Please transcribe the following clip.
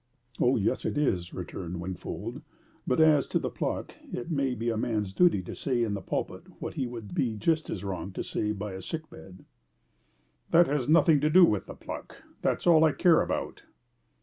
"Oh yes, it is!" returned Wingfold. "But as to the pluck, it may be a man's duty to say in the pulpit what he would be just as wrong to say by a sick bed." "That has nothing to do with the pluck! That's all I care about."